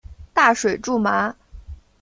大水苎麻